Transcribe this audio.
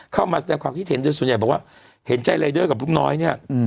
เข้ามาแสดงความคิดเห็นโดยส่วนใหญ่บอกว่าเห็นใจรายเดอร์กับลูกน้อยเนี่ย